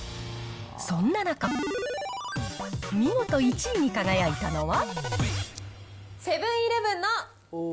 そんな中、見事１位に輝いたのは。